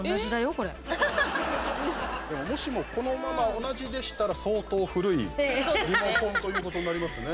もしも、このまま同じでしたら相当、古いリモコンということになりますね。